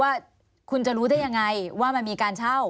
ว่าคุณจะรู้ได้ยังไงว่ามันมีการเช่า